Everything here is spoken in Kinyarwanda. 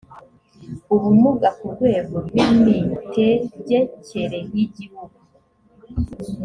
ubumuga ku rwego rw imitegekere y igihugu